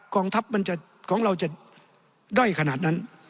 ของเราจะด้อยขนาดนั้น